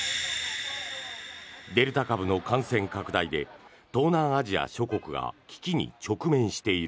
デルタ株の感染拡大で東南アジア諸国が危機に直面している。